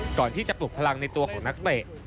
ก่อนที่จะปลุกพลังในตัวของนักเตะ